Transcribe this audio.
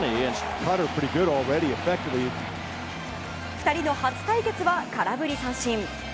２人の初対決は、空振り三振。